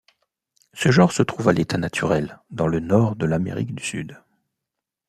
Ce genre se trouve à l'état naturel dans le Nord de l'Amérique du Sud.